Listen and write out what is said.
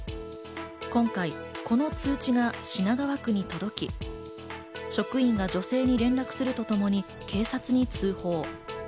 今回、この通知が品川区に届き、職員が女性に連絡をするとともに警察に通報。